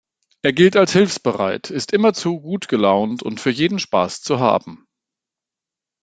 Er gilt als hilfsbereit, ist immerzu gut gelaunt und für jeden Spaß zu haben.